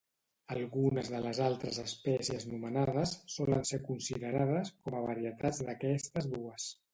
Algunes de les altres espècies nomenades solen ser considerades com a varietats d'aquestes dues.